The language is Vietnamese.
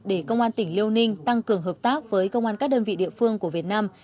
để công an tỉnh liêu ninh tăng cường hợp tác với công an các đơn vị địa phương của việt nam